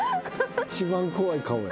一番怖い顔や。